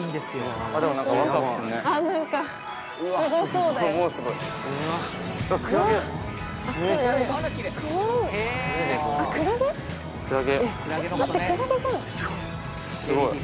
すっごい！